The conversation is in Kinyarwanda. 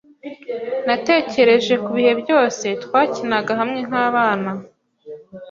Natekereje kubihe byose twakinaga hamwe nkabana.